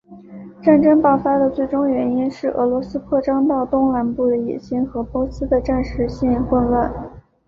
战争爆发的最终原因是俄罗斯扩张到东南部的野心和波斯的暂时性混乱。